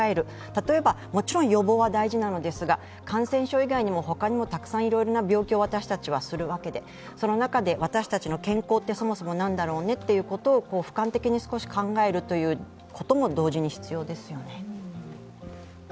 例えば、もちろん予防は大事なのですが感染症以外にもたくさんいろいろな病気を私たちはするわけで、その中で私たちの健康ってそもそも何だろうねということをふかん的に考えることも同時に必要ですよね。